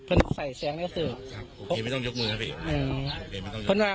เพื่อนใส่แสงแล้วก็เสิร์ฟโอเคไม่ต้องยกมือครับพี่อืมโอเคไม่ต้องยกมือครับ